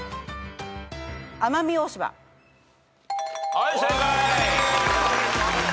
はい正解。